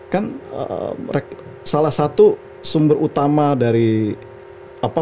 kan salah satu sumber utama dari apa